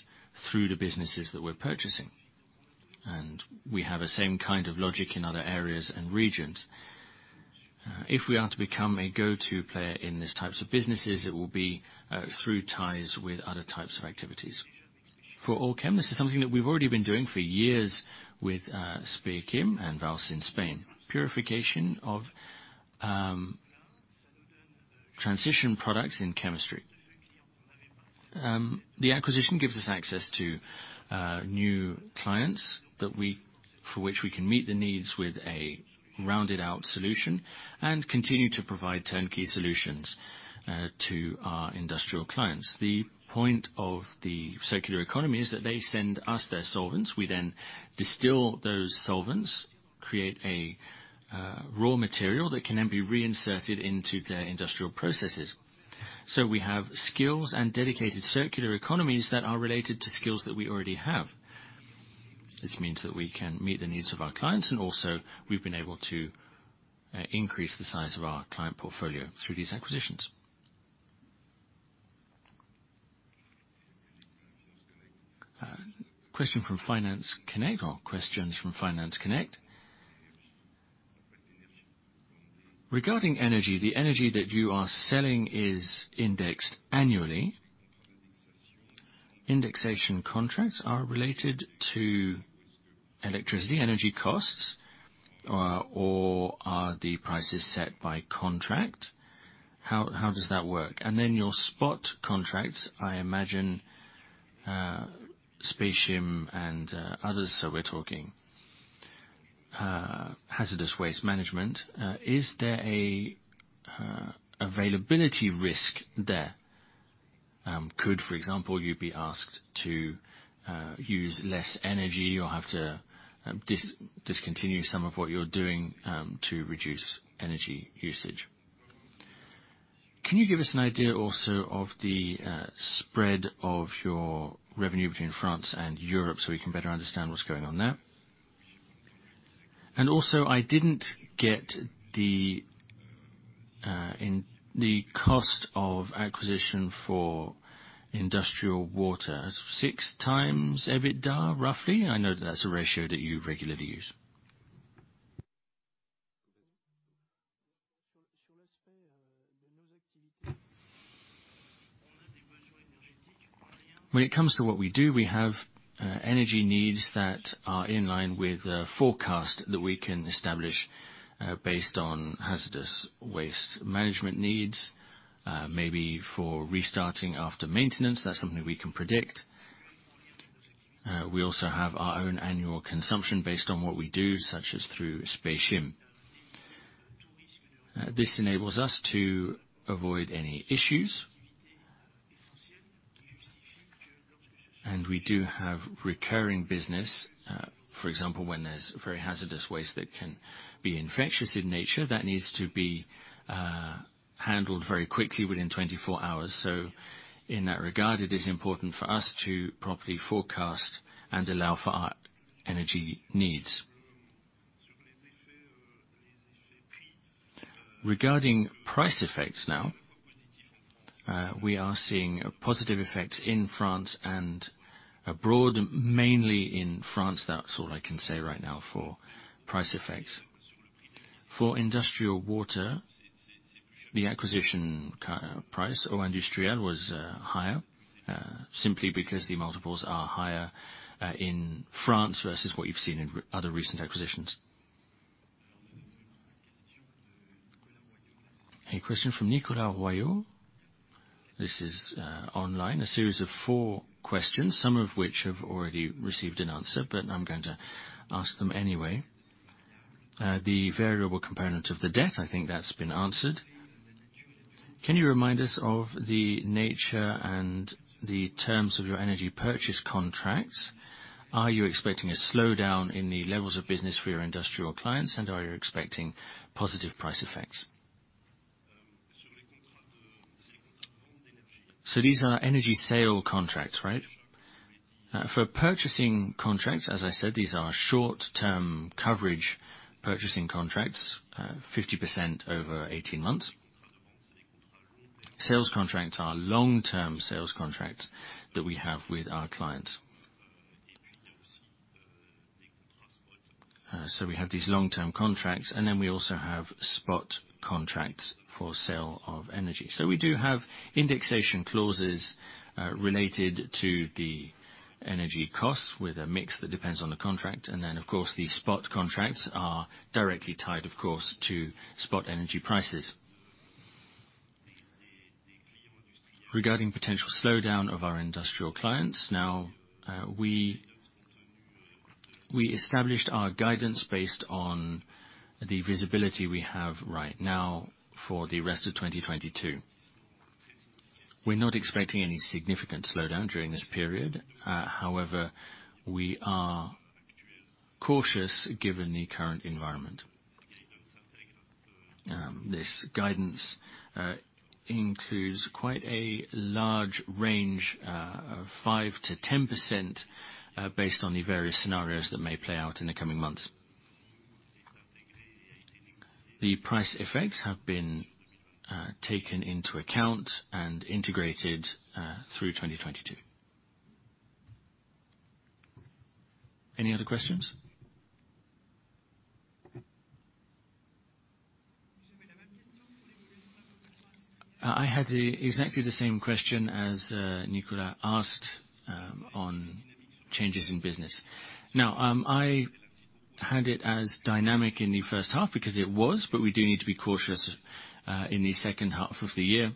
through the businesses that we're purchasing. We have the same kind of logic in other areas and regions. If we are to become a go-to player in these types of businesses, it will be through ties with other types of activities. For All'Chem, this is something that we've already been doing for years with Speichim and Valls Quimica in Spain. Purification of transition products in chemistry. The acquisition gives us access to new clients that we... For which we can meet the needs with a rounded out solution and continue to provide turnkey solutions, to our industrial clients. The point of the circular economy is that they send us their solvents. We then distill those solvents, create a raw material that can then be reinserted into their industrial processes. We have skills and dedicated circular economies that are related to skills that we already have. This means that we can meet the needs of our clients, and also we've been able to increase the size of our client portfolio through these acquisitions. Question from Finance Connect or questions from Finance Connect. Regarding energy, the energy that you are selling is indexed annually. Indexation contracts are related to electricity, energy costs, or are the prices set by contract? How does that work? Your spot contracts, I imagine, Speichim and others, so we're talking hazardous waste management. Is there an availability risk there? Could, for example, you be asked to use less energy or have to discontinue some of what you're doing to reduce energy usage? Can you give us an idea also of the spread of your revenue between France and Europe so we can better understand what's going on there? I didn't get the cost of acquisition for industrial water. 6x EBITDA, roughly? I know that's a ratio that you regularly use. When it comes to what we do, we have energy needs that are in line with the forecast that we can establish based on hazardous waste management needs, maybe for restarting after maintenance. That's something we can predict. We also have our own annual consumption based on what we do, such as through Speichim. This enables us to avoid any issues. We do have recurring business. For example, when there's very hazardous waste that can be infectious in nature, that needs to be handled very quickly within 24 hours. In that regard, it is important for us to properly forecast and allow for our energy needs. Regarding price effects now, we are seeing a positive effect in France and abroad, mainly in France. That's all I can say right now for price effects. For industrial water, the acquisition price, Eau Industrielle, was higher simply because the multiples are higher in France versus what you've seen in other recent acquisitions. A question from Nicolas Royot. This is online, a series of four questions, some of which have already received an answer, but I'm going to ask them anyway. The variable component of the debt, I think that's been answered. Can you remind us of the nature and the terms of your energy purchase contracts? Are you expecting a slowdown in the levels of business for your industrial clients, and are you expecting positive price effects? These are energy sale contracts, right? For purchasing contracts, as I said, these are short-term coverage purchasing contracts, 50% over 18 months. Sales contracts are long-term sales contracts that we have with our clients. We have these long-term contracts, and then we also have spot contracts for sale of energy. We do have indexation clauses related to the energy costs with a mix that depends on the contract. Of course, the spot contracts are directly tied, of course, to spot energy prices. Regarding potential slowdown of our industrial clients, we established our guidance based on the visibility we have right now for the rest of 2022. We're not expecting any significant slowdown during this period. However, we are cautious given the current environment. This guidance includes quite a large range of 5%-10%, based on the various scenarios that may play out in the coming months. The price effects have been taken into account and integrated through 2022. Any other questions? I had exactly the same question as Nicolas asked on changes in business. Now, I had it as dynamic in the first half because it was, but we do need to be cautious in the second half of the year,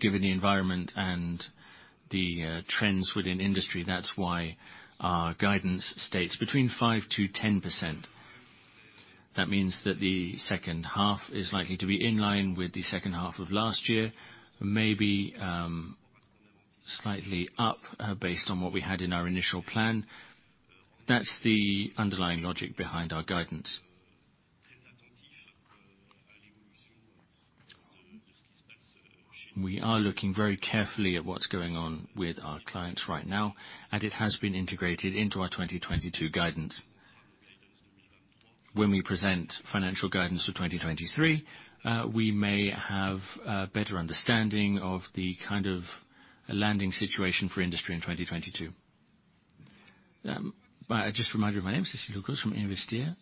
given the environment and the trends within industry. That's why our guidance states between 5%-10%. That means that the second half is likely to be in line with the second half of last year, maybe slightly up, based on what we had in our initial plan. That's the underlying logic behind our guidance. We are looking very carefully at what's going on with our clients right now, and it has been integrated into our 2022 guidance. When we present financial guidance for 2023, we may have a better understanding of the kind of landing situation for industry in 2022. Just a reminder, my name is from Investir.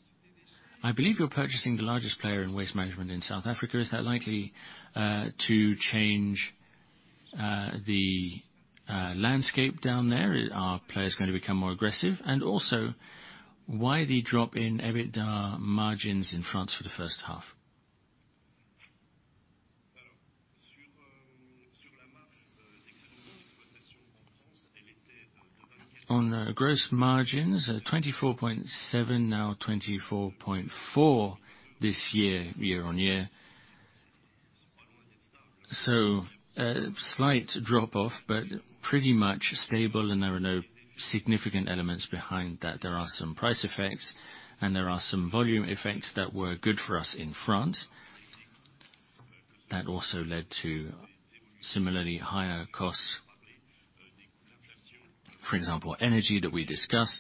I believe you're purchasing the largest player in waste management in South Africa. Is that likely to change the landscape down there? Are players going to become more aggressive? Also, why the drop in EBITDA margins in France for the first half? On gross margins, 24.7%, now 24.4% this year-over-year. A slight drop-off, but pretty much stable, and there are no significant elements behind that. There are some price effects, and there are some volume effects that were good for us in France. That also led to similarly higher costs. For example, energy that we discussed,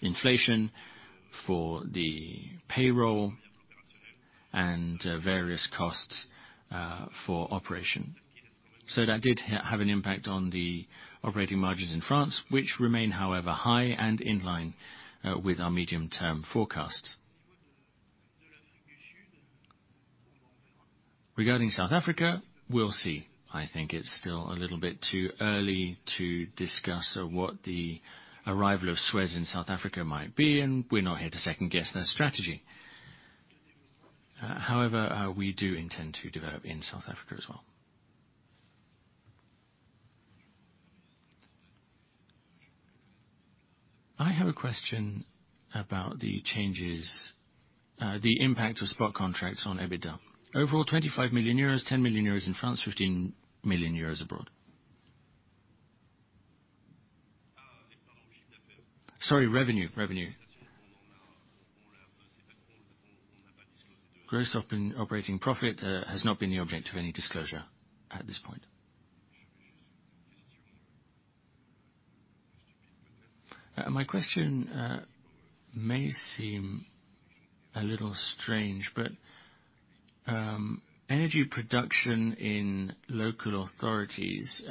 inflation for the payroll, and various costs for operation. That did have an impact on the operating margins in France, which remain, however, high and in line with our medium-term forecast. Regarding South Africa, we'll see. I think it's still a little bit too early to discuss what the arrival of Suez in South Africa might be, and we're not here to second-guess their strategy. However, we do intend to develop in South Africa as well. I have a question about the changes, the impact of spot contracts on EBITDA. Overall, 25 million euros, 10 million euros in France, 15 million euros abroad. Sorry, revenue. Gross operating profit has not been the object of any disclosure at this point. My question may seem a little strange, but energy production in local authorities,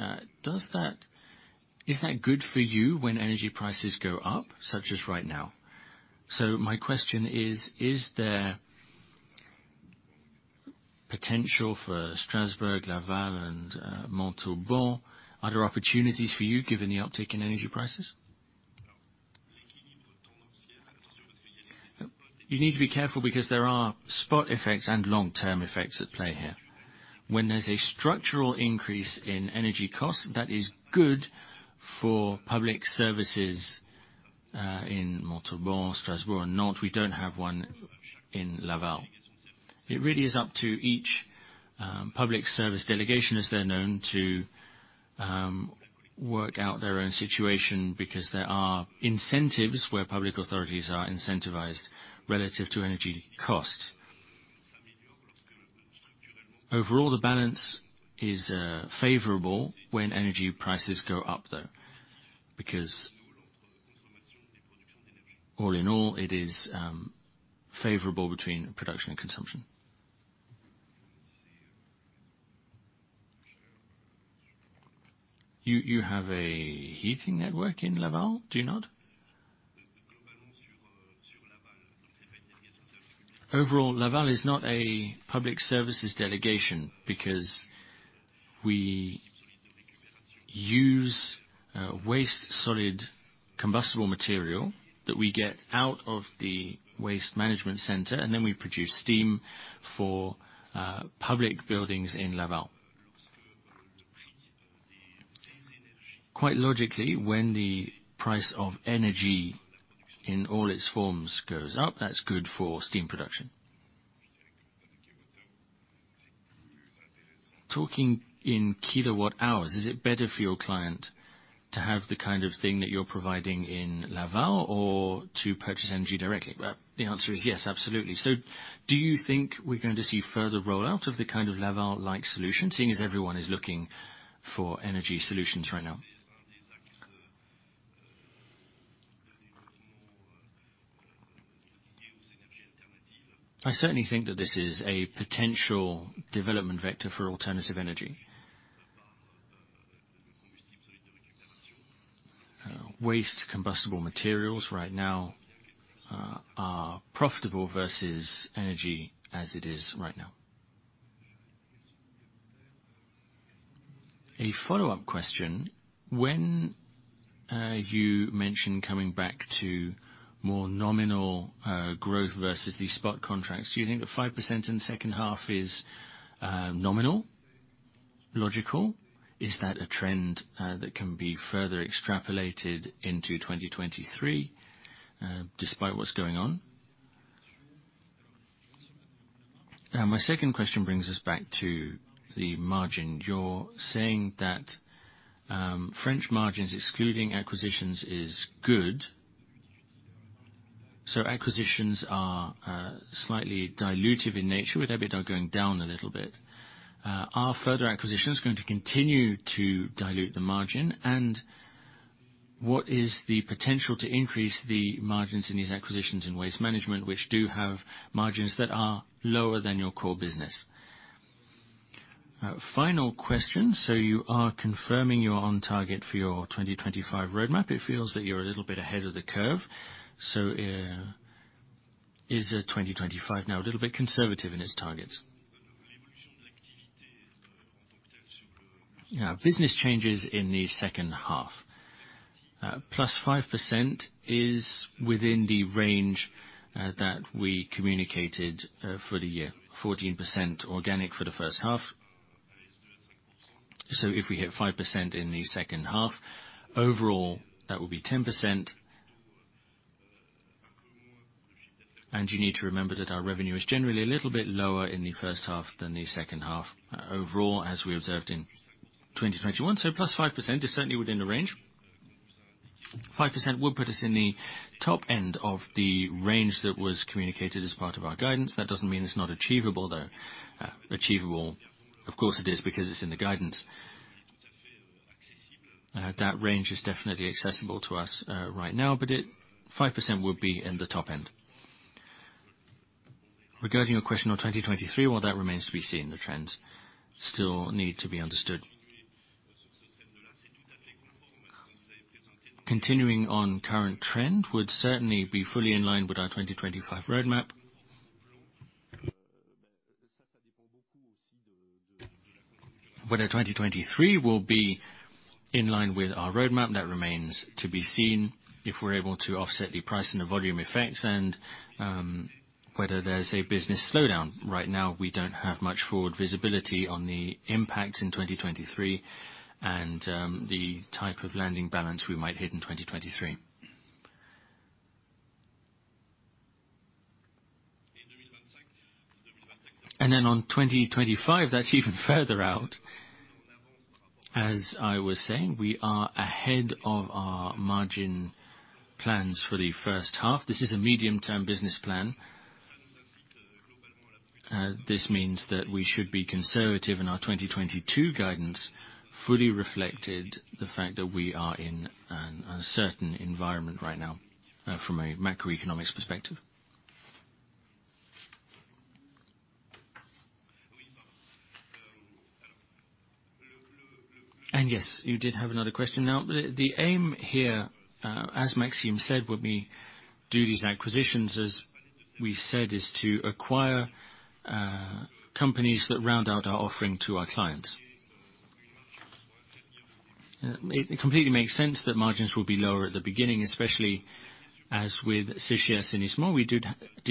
is that good for you when energy prices go up, such as right now? My question is there potential for Strasbourg, Laval and Montauban? Are there opportunities for you given the uptick in energy prices? You need to be careful because there are spot effects and long-term effects at play here. When there's a structural increase in energy costs, that is good for public services in Montauban, Strasbourg or Nantes. We don't have one in Laval. It really is up to each public service delegation, as they're known, to work out their own situation because there are incentives where public authorities are incentivized relative to energy costs. Overall, the balance is favorable when energy prices go up, though, because all in all it is favorable between production and consumption. You have a heating network in Laval, do you not? Overall, Laval is not a public services delegation because we use waste solid combustible material that we get out of the waste management center, and then we produce steam for public buildings in Laval. Quite logically, when the price of energy in all its forms goes up, that's good for steam production. Talking in kilowatt hours, is it better for your client to have the kind of thing that you're providing in Laval or to purchase energy directly? Well, the answer is yes, absolutely. Do you think we're going to see further rollout of the kind of Laval-like solution, seeing as everyone is looking for energy solutions right now? I certainly think that this is a potential development vector for alternative energy. Waste combustible materials right now are profitable versus energy as it is right now. A follow-up question, when you mention coming back to more nominal growth versus the spot contracts, do you think the 5% in the second half is nominal, logical? Is that a trend that can be further extrapolated into 2023, despite what's going on? My second question brings us back to the margin. You're saying that French margins, excluding acquisitions, is good. Acquisitions are slightly dilutive in nature with EBITDA going down a little bit. Are further acquisitions going to continue to dilute the margin? And what is the potential to increase the margins in these acquisitions in waste management, which do have margins that are lower than your core business? Final question. You are confirming you're on target for your 2025 roadmap. It feels that you're a little bit ahead of the curve. Is 2025 now a little bit conservative in its targets? Yeah. Business changes in the second half. +5% is within the range that we communicated for the year. 14% organic for the first half. If we hit 5% in the second half, overall, that will be 10%. You need to remember that our revenue is generally a little bit lower in the first half than the second half, overall, as we observed in 2021. +5% is certainly within the range. 5% would put us in the top end of the range that was communicated as part of our guidance. That doesn't mean it's not achievable, though. Achievable, of course it is, because it's in the guidance. That range is definitely accessible to us right now, but 5% will be in the top end. Regarding your question on 2023, well, that remains to be seen. The trends still need to be understood. Continuing on current trend would certainly be fully in line with our 2025 roadmap. Whether 2023 will be in line with our roadmap, that remains to be seen, if we're able to offset the price and the volume effects and whether there's a business slowdown. Right now, we don't have much forward visibility on the impact in 2023 and the type of landing balance we might hit in 2023. On 2025, that's even further out. As I was saying, we are ahead of our margin plans for the first half. This is a medium-term business plan. This means that we should be conservative, and our 2022 guidance fully reflected the fact that we are in an uncertain environment right now, from a macroeconomics perspective. Yes, you did have another question. Now, the aim here, as Maxime said, when we do these acquisitions, as we said, is to acquire companies that round out our offering to our clients. It completely makes sense that margins will be lower at the beginning, especially as with Séché Assainissement, we did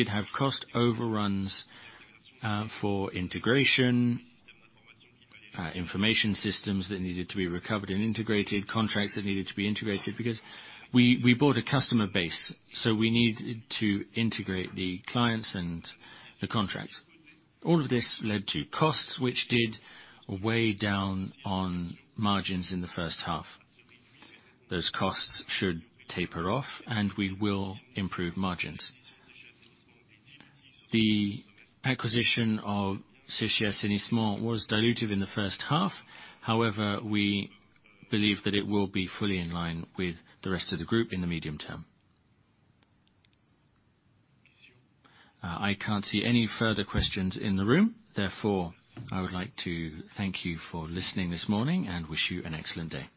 have cost overruns for integration, information systems that needed to be recovered and integrated, contracts that needed to be integrated because we bought a customer base, so we needed to integrate the clients and the contracts. All of this led to costs, which did weigh down on margins in the first half. Those costs should taper off, and we will improve margins. The acquisition of Séché Assainissement was dilutive in the first half. However, we believe that it will be fully in line with the rest of the group in the medium term. I can't see any further questions in the room. Therefore, I would like to thank you for listening this morning and wish you an excellent day.